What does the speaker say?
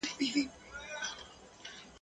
تور بورا دي وزر بل محفل ته یوسي !.